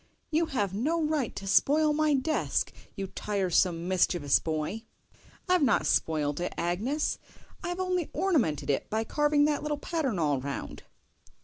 "YOU have no right to spoil my desk, you tiresome, mischievous boy!" "I've not spoilt it, Agnes; I've only ornamented it by carving that little pattern all round."